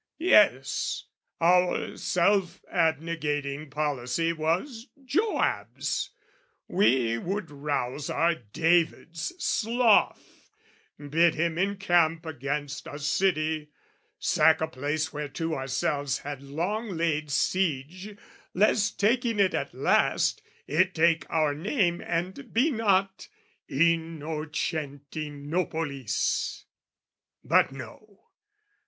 Yes: our self abnegating policy Was Joab's we would rouse our David's sloth, Bid him encamp against a city, sack A place whereto ourselves had long laid siege, Lest, taking it at last, it take our name And be not Innocentinopolis. But no!